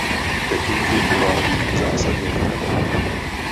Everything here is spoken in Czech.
Techniky provádí zásadně vpravo.